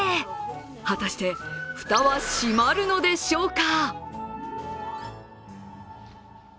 果たして蓋は閉まるのでしょうか。